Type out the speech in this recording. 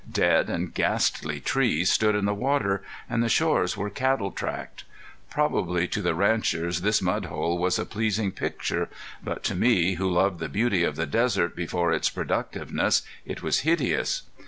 Dead and ghastly trees stood in the water, and the shores were cattle tracked. Probably to the ranchers this mud hole was a pleasing picture, but to me, who loved the beauty of the desert before its productiveness, it was hideous.